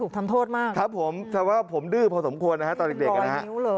แต่ว่าผมดื้อพอสมควรนะคะ